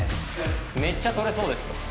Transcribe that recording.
めっちゃ捕れそうです。